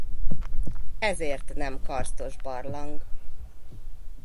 Ezért nem karsztos barlang.